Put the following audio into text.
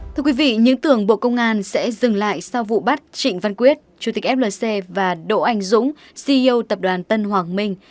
thưa quý vị những tưởng bộ công an sẽ dừng lại sau vụ bắt trịnh văn quyết chủ tịch flc và đỗ anh dũng ceo tập đoàn tân hoàng minh